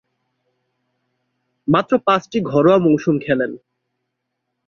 মাত্র পাঁচটি ঘরোয়া মৌসুম খেলেন।